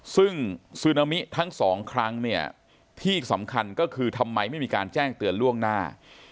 ซึ่งซึนามิทั้งสองครั้งเนี่ยที่สำคัญก็คือทำไมไม่มีการแจ้งเตือนล่วงหน้า